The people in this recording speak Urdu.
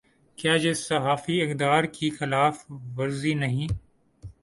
کیا یہ صحافی اقدار کی خلاف ورزی نہیں۔